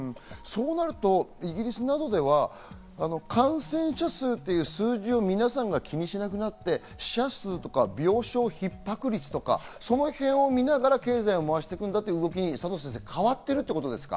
そうなるとイギリスなどでは感染者数という数字を皆さんが気にしなくなって、死者数とか病床逼迫率とか、その辺を見ながら経済を回していくんだという動きに変わっているということですか？